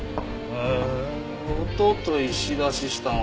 ええおととい仕出ししたんは。